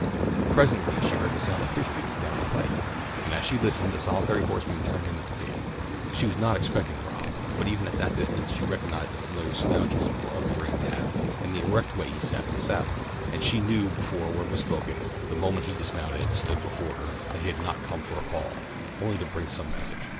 Presently she heard the sound of hoof beats down the pike, and as she listened a solitary horseman turned in at the gate. She was not expecting Rob, but even at that distance she recognized the familiar slouch of his broad brimmed hat and the erect way he sat in the saddle. And she knew before a word was spoken, the moment he dismounted and stood before her that he had not come for a call, only to bring some message.